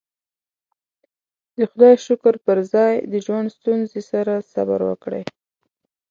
د خدايې شکر پر ځای د ژوند ستونزې سره صبر وکړئ.